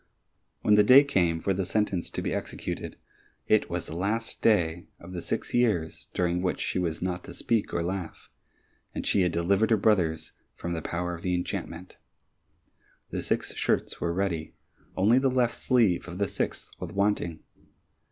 When the day came for the sentence to be executed, it was the last day of the six years during which she was not to speak or laugh, and she had delivered her dear brothers from the power of the enchantment. The six shirts were ready, only the left sleeve of the sixth was wanting.